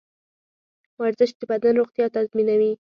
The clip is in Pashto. ورزش د بدن روغتیا تضمینوي.